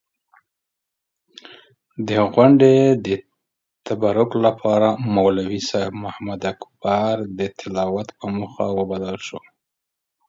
د غونډې د تبرک لپاره مولوي صېب محمداکبر د تلاوت پۀ موخه وبلل شو.